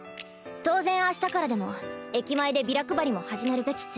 当然明日からでも駅前でビラ配りも始めるべきっス。